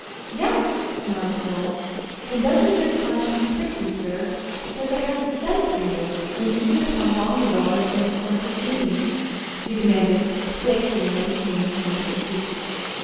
"Yes," smiled the girl. "And doesn't your conscience prick you, sir, because I had to send for you, when you should have come long ago of your own accord to see me?" she demanded playfully, motioning him to a seat.